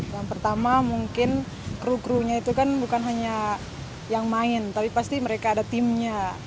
yang pertama mungkin kru krunya itu kan bukan hanya yang main tapi pasti mereka ada timnya